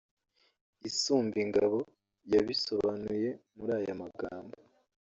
Isumbingabo yabisobanuye muri aya magambo